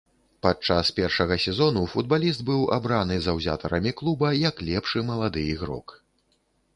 Падчас першага сезону футбаліст быў абраны заўзятарамі клуба як лепшы малады ігрок.